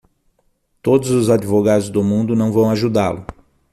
Todos os advogados do mundo não vão ajudá-lo!